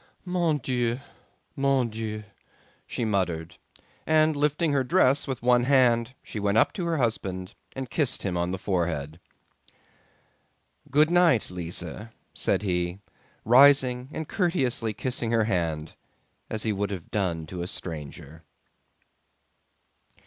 "Mon Dieu, mon Dieu!" she muttered, and lifting her dress with one hand she went up to her husband and kissed him on the forehead. "Good night, Lise," said he, rising and courteously kissing her hand as he would have done to a stranger.